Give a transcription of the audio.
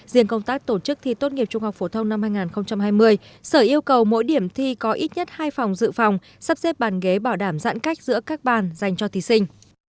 riêng công tác tổ chức thi tốt nghiệp trung học phổ thông năm hai nghìn hai mươi sở yêu cầu mỗi điểm thi có ít nhất hai phòng dự phòng sắp xếp bàn ghế bảo đảm giãn cách giữa các bàn dành cho thí sinh